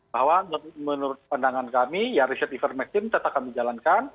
bahwa menurut pandangan kami ya riset ivermect team tetap kami jalankan